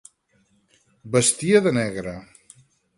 Vestia de negre.